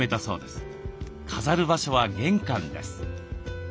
飾る場所は玄関です。